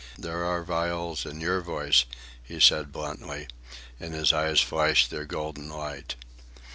"There are viols in your voice," he said bluntly, and his eyes flashed their golden light.